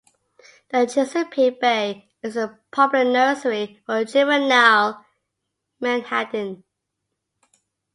The Chesapeake Bay is a popular nursery for juvenile menhaden.